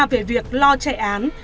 về việc lo chạy án